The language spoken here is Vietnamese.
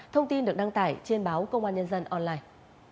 thông tin được đăng tải trên báo công an nhân dân online